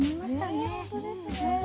ねえ本当ですね。